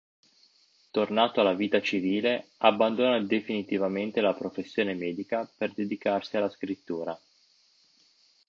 Tornato alla vita civile, abbandona definitivamente la professione medica per dedicarsi alla scrittura.